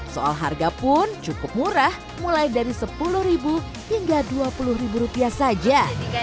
soal harga pun cukup murah mulai dari sepuluh hingga dua puluh rupiah saja